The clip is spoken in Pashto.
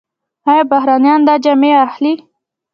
آیا بهرنیان دا جامې اخلي؟